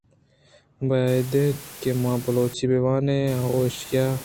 باید اِنت کہ ما بلوچی بہ وان ایں ءُ ایشی ءِ